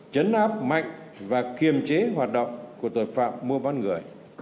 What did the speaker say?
chấn áp mạnh và kiềm chế hoạt động của tội phạm mua bán người